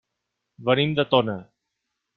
Venim de Tona.